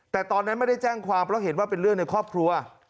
แต่ตอนนั้นไม่ได้แจ้งความเพราะเห็นว่าเป็นเรื่องในครอบครัว